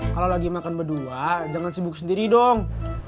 kalau lagi makan berdua jangan sibuk sendiri dong